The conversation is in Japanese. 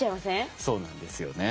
そうなんですよね。